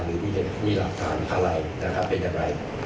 หรือมีหลักฐานอะไรเป็นอย่างไร